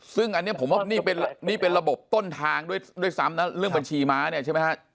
ซึ่งอันนี้ผมว่านี่เป็นระบบต้นทางด้วยซ้ำนะเรื่องบัญชีม้าเนี่ยใช่ไหมฮะ